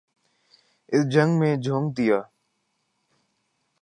اس جنگ میں جھونک دیا۔